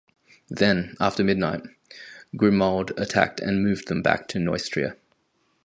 Then, after midnight, Grimuald attacked and drove them back to Neustria.